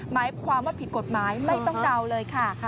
หมายความว่าผิดกฎหมายไม่ต้องเดาเลยค่ะ